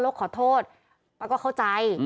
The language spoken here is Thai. ขอโทษป้าก็เข้าใจ